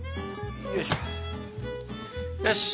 よし！